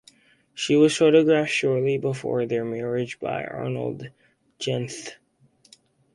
She was photographed shortly before their marriage by Arnold Genthe.